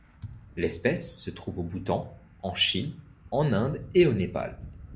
L'espèce se trouve au Bhoutan, en Chine, en Inde et au Népal.